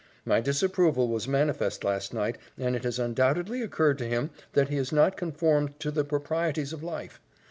My disapproval was manifest last night and it has undoubtedly occurred to him that he has not conformed to the proprieties of life.